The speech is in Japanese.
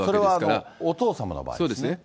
それはお父様の場合ですね。